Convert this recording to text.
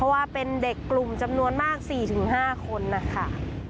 ว่าเป็นเด็กกลุ่มจำนวนมาก๔๕คนนะคะ